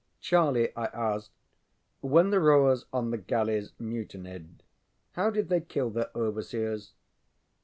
ŌĆ£Charlie, ŌĆØ I asked, ŌĆ£when the rowers on the galleys mutinied how did they kill their overseers?